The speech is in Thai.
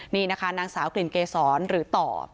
นี่นะคะนางสาวกลิ่นเกษรหรือต่อ